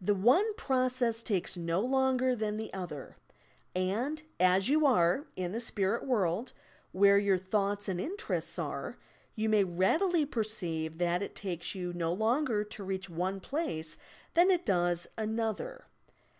The one process takes no longer than the other, and, as you are {in the spirit world) where your thoughts and interests are, you may readily perceive that it takes you no longer to reach one place than it does another.